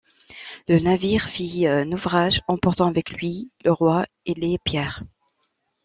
Le navire fit naufrage, emportant avec lui le roi et les pierres.